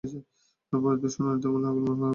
তারা পরবর্তী শুনানিতে মামলায় গোলমাল পাকাবে।